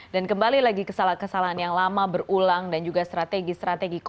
dan kembali lagi kesalahan kesalahan yang lama berulang dan juga strategi strategi yang lama